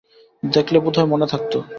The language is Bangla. দেখলে বোধহয় মনে থাকতো।